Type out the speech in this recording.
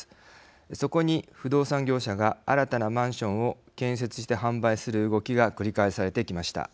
そこに不動産業者が新たなマンションを建設して販売する動きが繰り返されてきました。